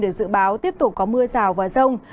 được dự báo tiếp tục có mưa rào và rông